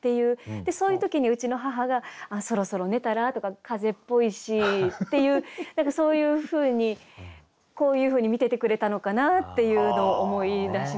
そういう時にうちの母が「そろそろ寝たら？」とか「風邪っぽいし」っていう何かそういうふうにこういうふうに見ててくれたのかなっていうのを思い出しました。